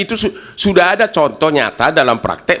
itu sudah ada contoh nyata dalam praktek